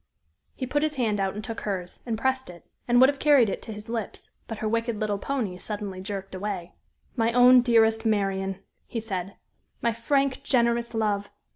He put his hand out and took hers, and pressed it, and would have carried it to his lips, but her wicked little pony suddenly jerked away. "My own dearest Marian," he said; "my frank, generous love!